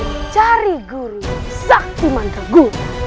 mencari guru yang sakti mandagu